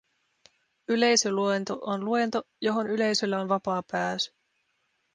Yleisöluento on luento, johon yleisöllä on vapaa pääsy